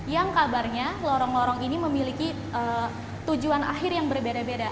yang kabarnya lorong lorong ini memiliki tujuan akhir yang berbeda beda